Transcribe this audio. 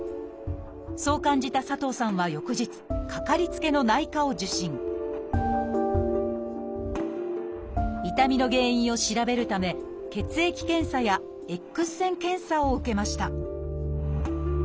そう感じた佐藤さんは翌日掛かりつけの痛みの原因を調べるため血液検査やＸ線検査を受けました。